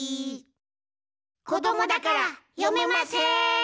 こどもだからよめません。